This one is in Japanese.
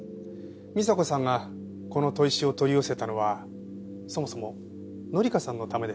美沙子さんがこの砥石を取り寄せたのはそもそも紀香さんのためでした。